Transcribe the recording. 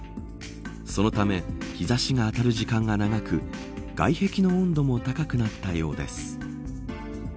そのため日差しが当たる時間が長く外壁の温度も高くなったようです。